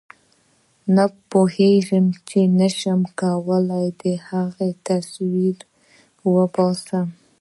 پوهېږم نه شم کولای د هغه څه تصویر وباسم.